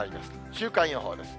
週間予報です。